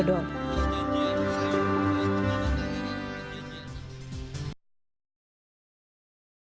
video yang diunggah menteri keuangan sri mulyani indrawati dalam laman facebooknya ini diambil sebelum penyerahan penghargaan menteri terbaik dunia di dunia setiap tahun